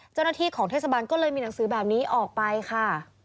เจ้าหน้าที่ของเทศบันตำบลโซ่ภิสัยก็เลยมีหนังสือแบบนี้ออกไปค่ะ